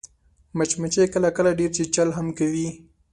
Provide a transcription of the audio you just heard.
مچمچۍ کله کله ډېر چیچل هم کوي